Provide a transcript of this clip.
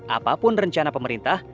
apapun rencana pemerintah